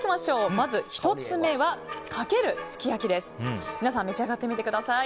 まず１つ目はかけるすき焼です。